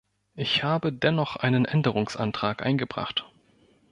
Ich habe dennoch einen Änderungsantrag eingebracht.